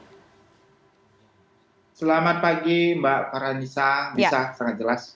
ya selamat pagi mbak paranisa bisa sangat jelas